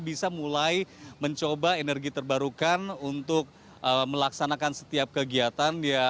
bisa mulai mencoba energi terbarukan untuk melaksanakan setiap kegiatan